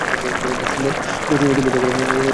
বেশ সুন্দর মৌসুম অতিবাহিত করেন তিনি।